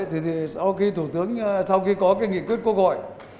thì sau khi thủ tướng sau khi có cái nghị quyết quốc hội